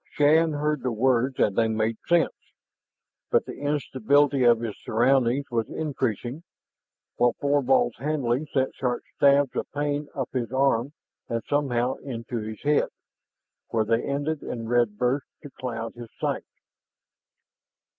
Shann heard the words and they made sense, but the instability of his surroundings was increasing, while Thorvald's handling sent sharp stabs of pain up his arm and somehow into his head, where they ended in red bursts to cloud his sight.